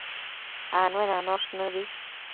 Anuenanosh nëbi